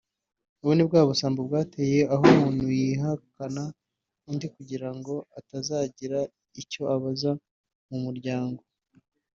ubu ni bwa busambo bwateye aho umuntu yihakana undi kugira ngo atazagira icyo abaza mu muryango